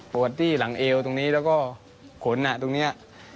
ที่หลังเอวตรงนี้แล้วก็ขนตรงนี้